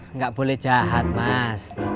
enggak boleh jahat mas